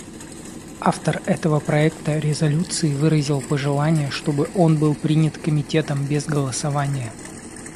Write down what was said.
Автор этого проекта резолюции выразил пожелание, чтобы он был принят Комитетом без голосования.